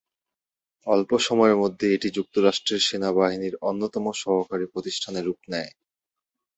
অল্প সময়ের মধ্যেই এটি যুক্তরাষ্ট্রের সেনাবাহিনীর অন্যতম সরবরাহকারী প্রতিষ্ঠানে রূপ নেয়।